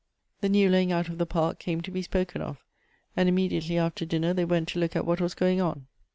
The new laying out of the park came to be spoken of i and immediately after dinner they went to look at what was going on.